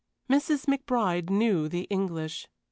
Mrs. McBride knew the English.